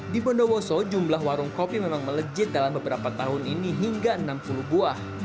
di bondowoso jumlah warung kopi memang melejit dalam beberapa tahun ini hingga enam puluh buah